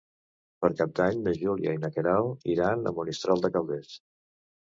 Per Cap d'Any na Júlia i na Queralt iran a Monistrol de Calders.